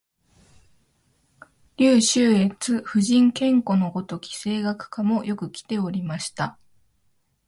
柳宗悦、夫人兼子のごとき声楽家もよくきておりました